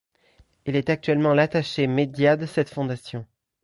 Il est actuellement l'attaché médias de cette fondation.